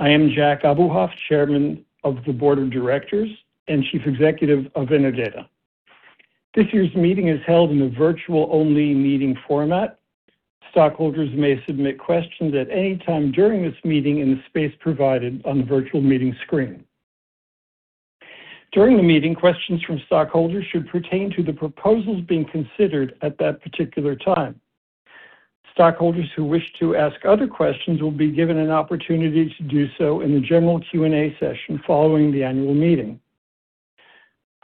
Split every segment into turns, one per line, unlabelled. I am Jack Abuhoff, chairman of the board of directors and chief executive of Innodata. This year's meeting is held in a virtual-only meeting format. Stockholders may submit questions at any time during this meeting in the space provided on the virtual meeting screen. During the meeting, questions from stockholders should pertain to the proposals being considered at that particular time. Stockholders who wish to ask other questions will be given an opportunity to do so in the general Q&A session following the annual meeting.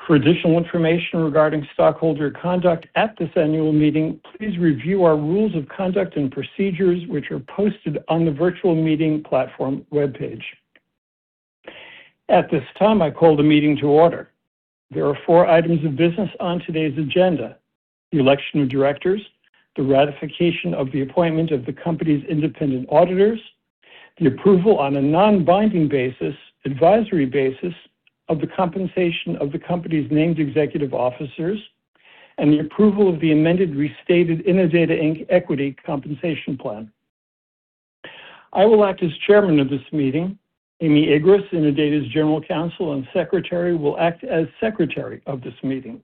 For additional information regarding stockholder conduct at this annual meeting, please review our rules of conduct and procedures, which are posted on the virtual meeting platform webpage. At this time, I call the meeting to order. There are four items of business on today's agenda: the election of directors, the ratification of the appointment of the company's independent auditors, the approval on a non-binding basis, advisory basis, of the compensation of the company's named executive officers, and the approval of the amended restated Innodata Inc. equity compensation plan. I will act as chairman of this meeting. Amy Agress, Innodata's General Counsel and Secretary, will act as secretary of this meeting.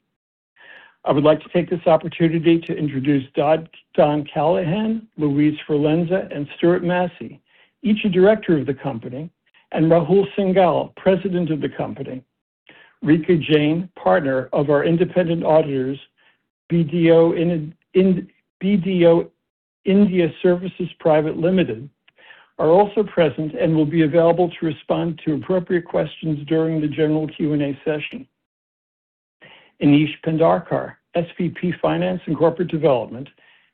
I would like to take this opportunity to introduce Don Callahan, Louise Forlenza, and Stewart Massey, each a director of the company, and Rahul Singhal, president of the company. Rika Jain, partner of our independent auditors, BDO India Services Private Limited, are also present and will be available to respond to appropriate questions during the general Q&A session. Aneesh Pendharkar, SVP, Finance and Corporate Development,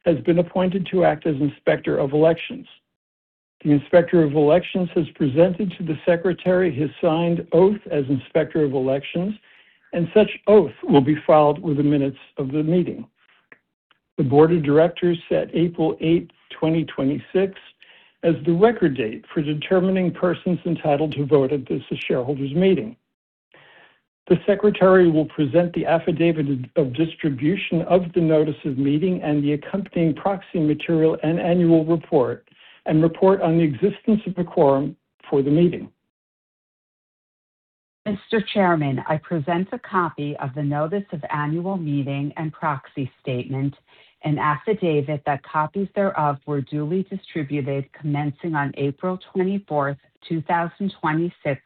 has been appointed to act as Inspector of Elections. The Inspector of Elections has presented to the secretary his signed oath as Inspector of Elections, and such oath will be filed with the minutes of the meeting. The board of directors set April 8th, 2026, as the record date for determining persons entitled to vote at this shareholders meeting. The secretary will present the affidavit of distribution of the notice of meeting and the accompanying proxy material and annual report and report on the existence of a quorum for the meeting.
Mr. Chairman, I present a copy of the notice of annual meeting and proxy statement, an affidavit that copies thereof were duly distributed commencing on April 24th, 2026,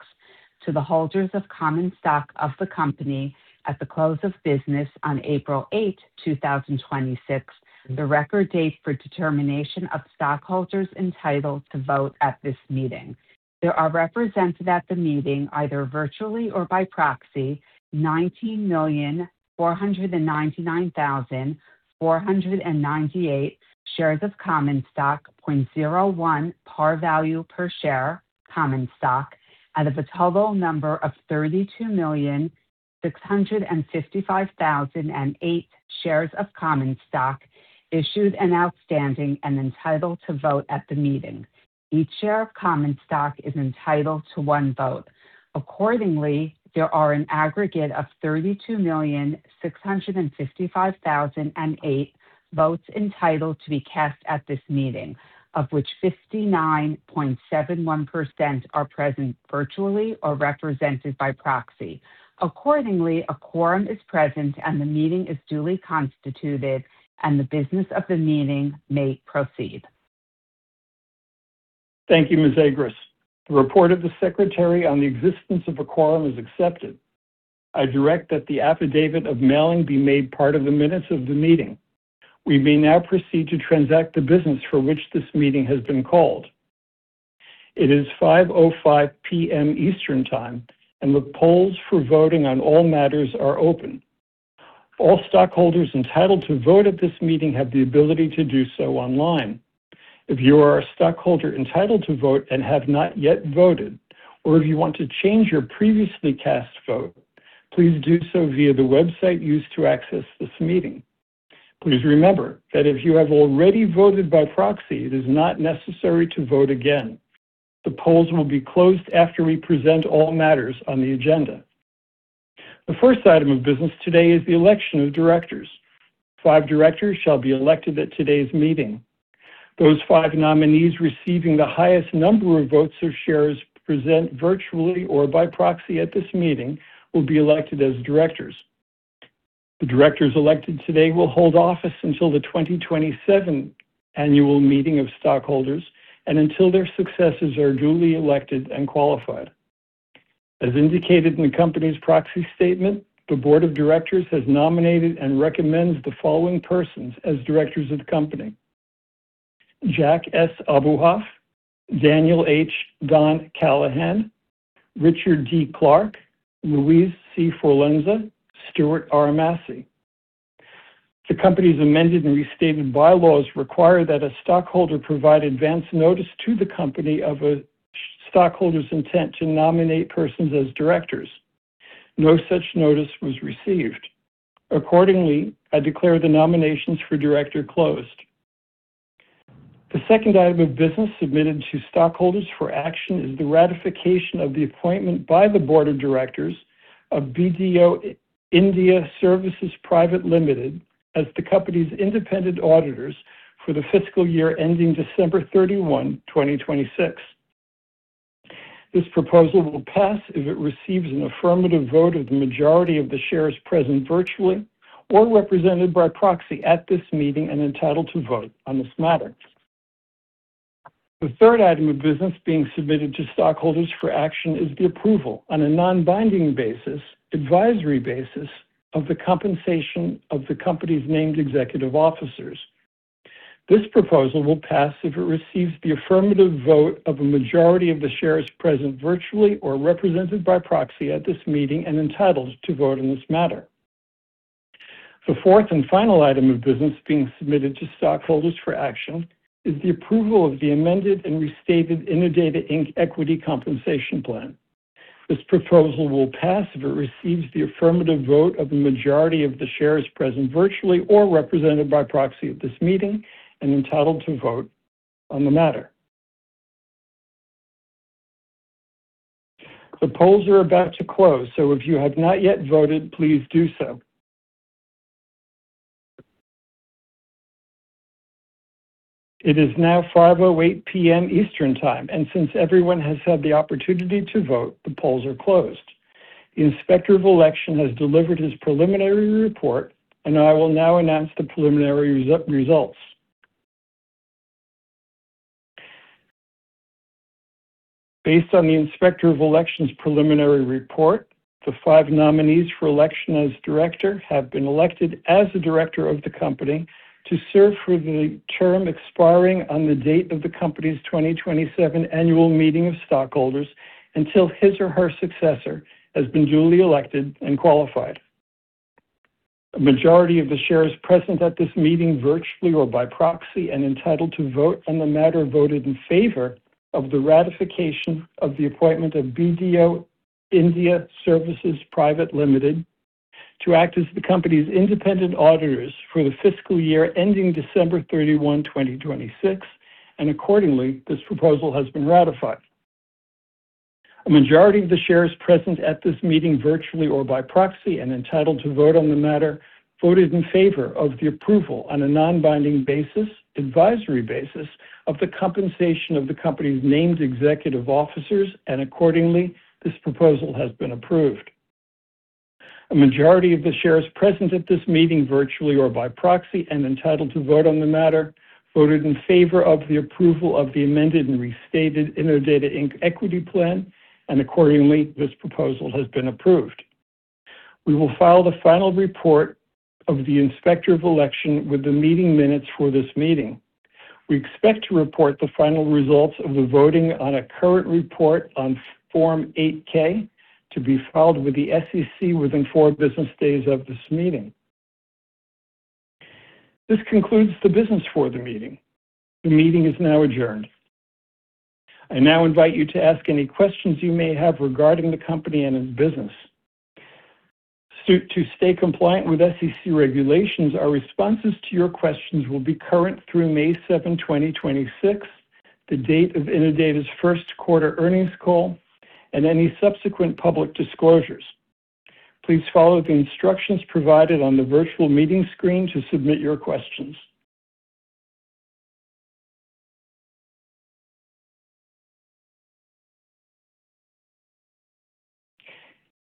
to the holders of common stock of the company at the close of business on April 8th, 2026, the record date for determination of stockholders entitled to vote at this meeting. There are represented at the meeting, either virtually or by proxy, 19,499,498 shares of common stock, 0.01 par value per share common stock, out of a total number of 32,655,008 shares of common stock issued and outstanding and entitled to vote at the meeting. Each share of common stock is entitled to one vote. Accordingly, there are an aggregate of 32,655,008 votes entitled to be cast at this meeting, of which 59.71% are present virtually or represented by proxy. Accordingly, a quorum is present, and the meeting is duly constituted, and the business of the meeting may proceed.
Thank you, Ms. Agress. The report of the secretary on the existence of a quorum is accepted. I direct that the affidavit of mailing be made part of the minutes of the meeting. We may now proceed to transact the business for which this meeting has been called. It is 5:05 P.M. Eastern Time, and the polls for voting on all matters are open. All stockholders entitled to vote at this meeting have the ability to do so online. If you are a stockholder entitled to vote and have not yet voted, or if you want to change your previously cast vote, please do so via the website used to access this meeting. Please remember that if you have already voted by proxy, it is not necessary to vote again. The polls will be closed after we present all matters on the agenda. The first item of business today is the election of directors. Five directors shall be elected at today's meeting. Those five nominees receiving the highest number of votes of shares present virtually or by proxy at this meeting will be elected as directors. The directors elected today will hold office until the 2027 annual meeting of stockholders and until their successors are duly elected and qualified. As indicated in the company's proxy statement, the board of directors has nominated and recommends the following persons as directors of the company: Jack S. Abuhoff, Daniel H. Don Callahan, Richard D. Clarke, Luis C. Forlenza, Stewart R. Massey. The company's amended and restated bylaws require that a stockholder provide advance notice to the company of a stockholder's intent to nominate persons as directors. No such notice was received. Accordingly, I declare the nominations for director closed. The second item of business submitted to stockholders for action is the ratification of the appointment by the board of directors of BDO India Services Private Limited as the company's independent auditors for the fiscal year ending December 31, 2026. This proposal will pass if it receives an affirmative vote of the majority of the shares present virtually or represented by proxy at this meeting and entitled to vote on this matter. The third item of business being submitted to stockholders for action is the approval, on a non-binding basis, advisory basis, of the compensation of the company's named executive officers. This proposal will pass if it receives the affirmative vote of a majority of the shares present virtually or represented by proxy at this meeting and entitled to vote on this matter. The fourth and final item of business being submitted to stockholders for action is the approval of the amended and restated Innodata Inc. equity compensation plan. This proposal will pass if it receives the affirmative vote of the majority of the shares present virtually or represented by proxy at this meeting and entitled to vote on the matter. The polls are about to close, so if you have not yet voted, please do so. It is now 5:08 P.M. Eastern Time, and since everyone has had the opportunity to vote, the polls are closed. The Inspector of Election has delivered his preliminary report, and I will now announce the preliminary results. Based on the Inspector of Elections' preliminary report, the five nominees for election as director have been elected as a director of the company to serve for the term expiring on the date of the company's 2027 annual meeting of stockholders until his or her successor has been duly elected and qualified. A majority of the shares present at this meeting, virtually or by proxy, and entitled to vote on the matter, voted in favor of the ratification of the appointment of BDO India Services Private Limited to act as the company's independent auditors for the fiscal year ending December 31, 2026, and accordingly, this proposal has been ratified. A majority of the shares present at this meeting, virtually or by proxy, and entitled to vote on the matter, voted in favor of the approval on a non-binding basis, advisory basis, of the compensation of the company's named executive officers, and accordingly, this proposal has been approved. A majority of the shares present at this meeting, virtually or by proxy, and entitled to vote on the matter, voted in favor of the approval of the amended and restated Innodata Inc. equity plan, and accordingly, this proposal has been approved. We will file the final report of the Inspector of Election with the meeting minutes for this meeting. We expect to report the final results of the voting on a current report on Form 8-K to be filed with the SEC within four business days of this meeting. This concludes the business for the meeting. The meeting is now adjourned. I now invite you to ask any questions you may have regarding the company and its business. To stay compliant with SEC regulations, our responses to your questions will be current through May 7, 2026, the date of Innodata's first quarter earnings call, and any subsequent public disclosures. Please follow the instructions provided on the virtual meeting screen to submit your questions.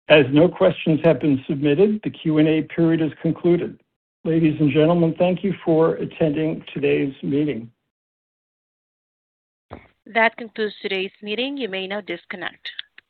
As no questions have been submitted, the Q&A period is concluded. Ladies and gentlemen, thank you for attending today's meeting. That concludes today's meeting. You may now disconnect.